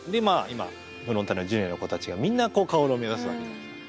今フロンターレのジュニアの子たちがみんな薫を目指すわけじゃないですか。